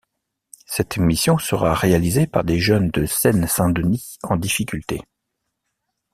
Cette mission sera réalisée par des jeunes de Seine saint Denis en difficultés.